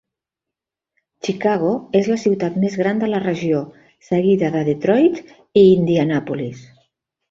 Chicago és la ciutat més gran de la regió, seguida de Detroit i Indianapolis.